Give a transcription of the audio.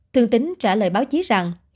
thương tín trả lời báo chí rằng